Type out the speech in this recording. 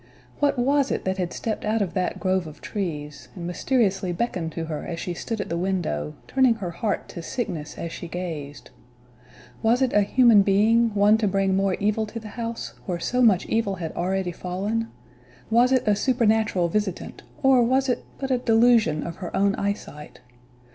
What was it that had stepped out of that grove of trees, and mysteriously beckoned to her as she stood at the window, turning her heart to sickness as she gazed? Was it a human being, one to bring more evil to the house, where so much evil had already fallen? Was it a supernatural visitant, or was it but a delusion of her own eyesight?